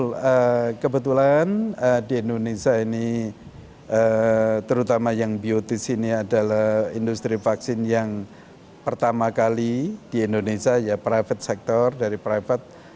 jadi kebetulan di indonesia ini terutama yang biotis ini adalah industri vaksin yang pertama kali di indonesia ya private sector dari private